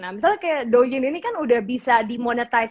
misalnya kayak doain ini kan udah bisa di monetize